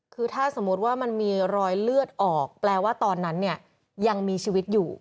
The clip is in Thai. คือถ้าสมมุติว่ามันมีรอยเลือดออกแปลว่าตอนนั้นเนี่ยยังมีชีวิตอยู่